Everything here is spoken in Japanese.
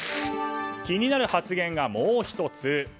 気になる発言がもう１つ。